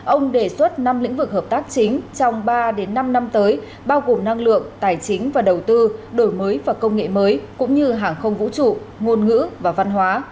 ông đề xuất năm lĩnh vực hợp tác chính trong ba năm năm tới bao gồm năng lượng tài chính và đầu tư đổi mới và công nghệ mới cũng như hàng không vũ trụ ngôn ngữ và văn hóa